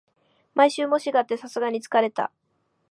毎週、模試があってさすがに疲れた